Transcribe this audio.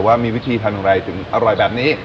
ว่ามีวิธีทานอย่างไรถึงอร่อยแบบนี้